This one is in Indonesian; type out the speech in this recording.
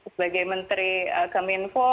sebagai menteri keminfo